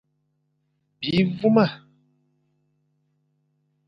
Bi voumane.